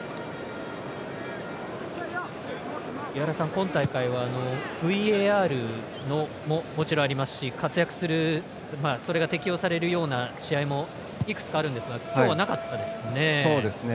今大会は、ＶＡＲももちろんありますし活躍するそれが適用されるような試合もいくつかあるんですが今日はなかったですね。